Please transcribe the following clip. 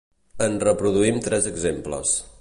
En reproduïm tres exemples.